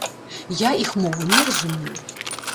Я іх мову не разумею.